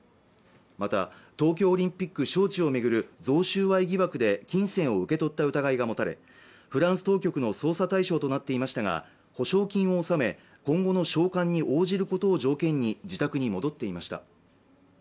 また東京オリンピック招致を巡る贈収賄疑惑で金銭を受け取った疑いが持たれフランス当局の捜査対象となっていましたが保証金を納め今後の召喚に応じることを条件に自宅に戻っていました